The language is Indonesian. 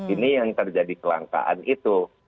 ini yang terjadi kelangkaan itu